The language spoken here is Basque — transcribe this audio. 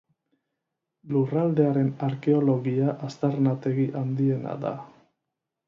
Lurraldearen arkeologia aztarnategi handiena da.